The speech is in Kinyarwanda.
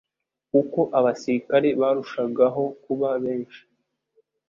Uko abasirikari barushagaho kuba benshi